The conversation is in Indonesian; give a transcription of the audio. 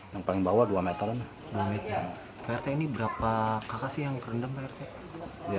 yang paling bawah dua meter